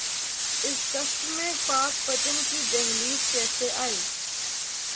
اس سفر میں پاک پتن کی دہلیز کیسے آئی؟